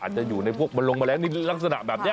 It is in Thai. อาจจะอยู่ในพวกมันลงแมลงนิดลักษณะแบบนี้